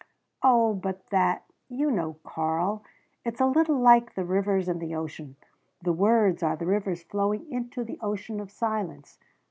"Oh, but that you know, Karl, it's a little like the rivers and the ocean. The words are the rivers flowing into the ocean of silence.